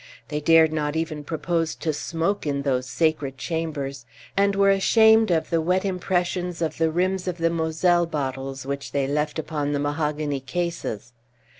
They dared not even propose to smoke in those sacred chambers, and were ashamed of the wet impressions of the rims of the Moselle bottles which they left upon the mahogany cases.